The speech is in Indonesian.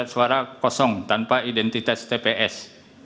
suara kosong tanpa identitas tps